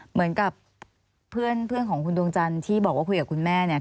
เหมือนกับเพื่อนของคุณดวงจันทร์ที่บอกว่าคุยกับคุณแม่เนี่ย